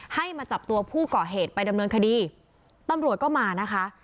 ให้มาจับตัวผู้ก่อเหตุไปดำเนินคดีตำรวจก็มานะคะ